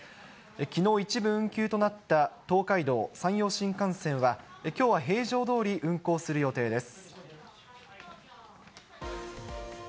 きのう一部運休となった東海道・山陽新幹線は、きょうは平常どおり運行する予定です。